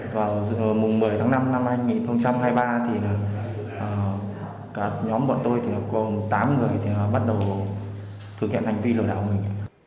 vào mùng một mươi tháng năm năm hai nghìn hai mươi ba thì cả nhóm bọn tôi còn tám người bắt đầu thực hiện hành vi lừa đảo mình